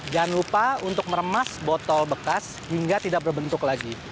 jangan lupa untuk meremas botol bekas hingga tidak berbentuk lagi